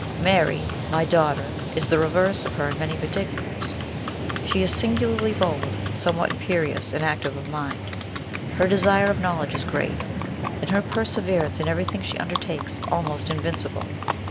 Mary, my daughter, is the reverse of her in many particulars. She is singularly bold, somewhat imperious, and active of mind. Her desire of knowledge is great, and her perseverance in everything she undertakes almost invincible.